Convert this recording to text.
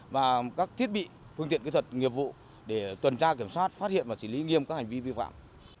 và các thiết bị phương tiện kỹ thuật nghiệp vụ để tuần tra kiểm soát phát hiện và xử lý nghiêm các hành vi vi phạm